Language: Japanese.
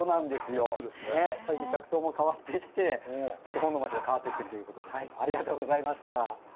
最近、客層も変わってきて、ちょっと本の町も変わってきているということですが、ありがとうございました。